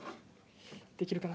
できるかな？